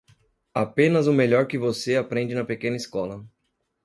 Apenas o melhor que você aprende na pequena escola.